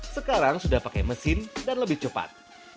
sekarang sudah pakai mesin dan lebih cepat